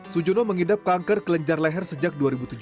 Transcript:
sujono mengidap kanker kelenjar leher sejak dua ribu tujuh belas